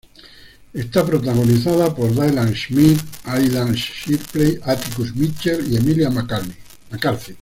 Está protagonizada por Dylan Schmid, Aidan Shipley, Atticus Mitchell y Emilia McCarthy.